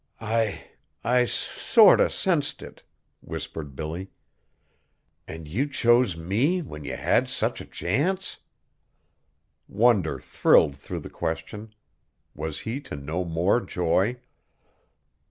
"I I sort o' sensed it!" whispered Billy. "An' ye chose me when ye had sich a chance?" Wonder thrilled through the question. Was he to know more joy?